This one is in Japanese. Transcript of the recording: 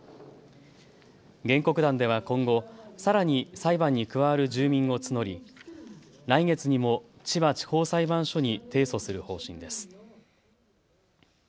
原告団では今後さらに裁判に加わる住民を募り来月にも千葉地方裁判所に提訴する方針です。